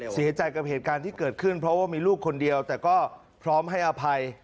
เสียใจกับเหตุการณ์ที่เกิดขึ้นเพราะว่ามีลูกคนเดียวแต่ก็พร้อมให้อภัย